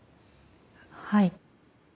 はい。